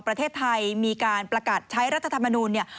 ประเทศไทยมีการประกาศใช้รัฐธรรมนูลเนี่ย